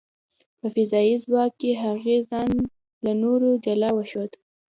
په فضايي ځواک کې، هغې ځان له نورو جلا وښود .